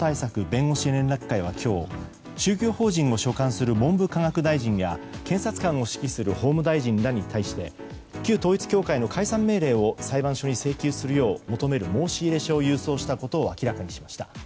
弁護士連絡会は今日宗教法人を所管する文部科学大臣や検察官を指揮する法務大臣らに対して旧統一教会の解散命令を裁判所に請求するよう求める申し入れ書を郵送したことを明らかにしました。